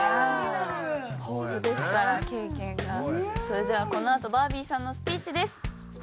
それではこのあとバービーさんのスピーチです。